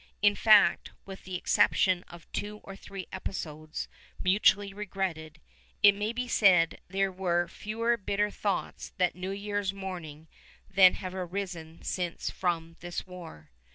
In fact, with the exception of two or three episodes mutually regretted, it may be said there were fewer bitter thoughts that New Year's morning than have arisen since from this war.